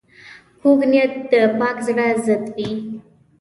کوږ نیت د پاک زړه ضد وي